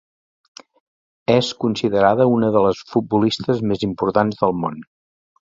És considerada una de les futbolistes més importants del món.